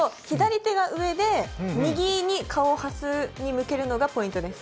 ちょっと左手が上で右に顔をはすに向けるのがポイントです。